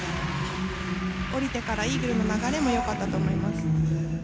降りてからイーグルの流れも良かったと思います。